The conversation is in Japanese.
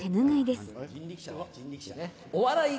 お笑い